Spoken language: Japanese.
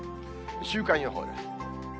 週間予報です。